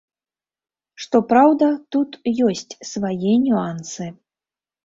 Што праўда, тут ёсць свае нюансы.